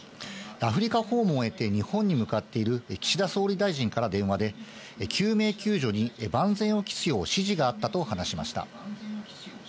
アフリカ訪問を終えて日本に向かっている岸田総理大臣から電話で、救命救助に万全を期すよう指示があったと話しました。